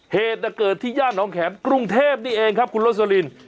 เหตุเกิดที่ย่านน้องแข็มกรุงเทพนี่เองครับคุณโรสลิน